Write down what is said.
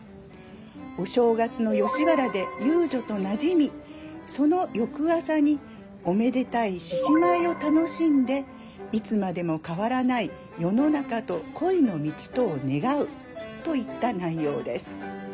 お正月の吉原で遊女となじみその翌朝におめでたい獅子舞を楽しんでいつまでも変わらない世の中と恋の道とを願うといった内容です。